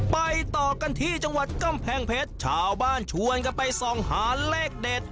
ไปต่อกันที่จังหวัดกำแพงเพชรชาวบ้านชวนกันไปส่องหาเลขเด็ด